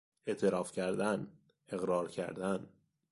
اعتراف کردن، اقرار کردن